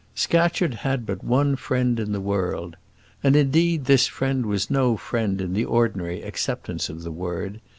Scatcherd had but one friend in the world. And, indeed, this friend was no friend in the ordinary acceptance of the word.